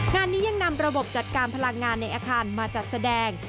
งานนี้ยังนำระบบจัดการพลังงานในอาคารมาจัดแสดง